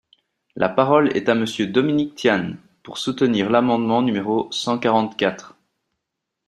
La parole est à Monsieur Dominique Tian, pour soutenir l’amendement numéro cent quarante-quatre.